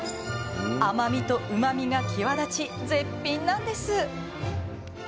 甘みとうまみが際立ち絶品なんです。